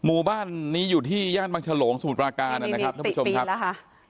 หมู่บ้านนี้อยู่ที่ย่านบางฉลงสมุทรปราการนะครับท่านผู้ชมครับแล้วค่ะ